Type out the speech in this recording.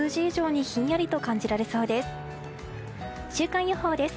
週間予報です。